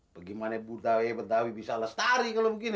bagaimana buddha ayah berdawi bisa lestari kalau begini